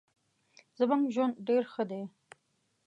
زمونږ ژوند ډیر ښه دې